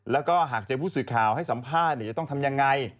แล้วก็หากเจอผู้สื่อข่าวให้สัมภาษณ์จะต้องทำยังไง